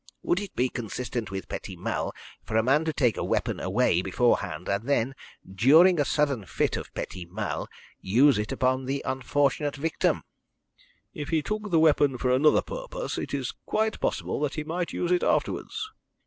"Would it be consistent with petit mal for a man to take a weapon away beforehand, and then, during a sudden fit of petit mal, use it upon the unfortunate victim?" "If he took the weapon for another purpose, it is quite possible that he might use it afterwards."